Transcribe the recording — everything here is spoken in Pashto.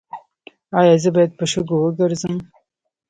ایا زه باید په شګو وګرځم؟